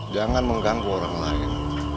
jangan mengganggu orang lain